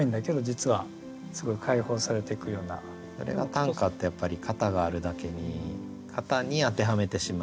短歌ってやっぱり型があるだけに型に当てはめてしまうっていう。